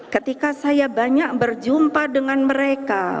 ketika saya banyak berjumpa dengan mereka